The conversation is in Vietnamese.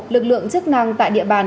lực lượng chức năng tại địa bàn